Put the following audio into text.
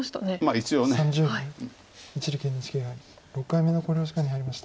一力ＮＨＫ杯６回目の考慮時間に入りました。